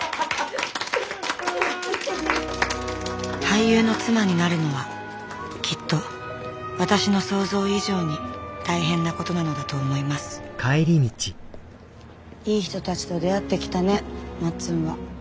俳優の妻になるのはきっと私の想像以上に大変なことなのだと思いますいい人たちと出会ってきたねまっつんは。